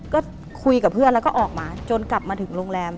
ก็คุยกับเพื่อนแล้วก็ออกมาจนกลับมาถึงโรงแรม